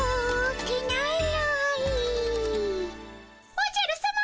おじゃるさま。